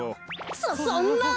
そそんな！